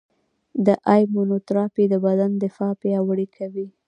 د ایمونوتراپي د بدن دفاع پیاوړې کوي.